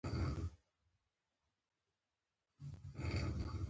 په افغانستان کې د سیلاني ځایونو تاریخ ډېر اوږد دی.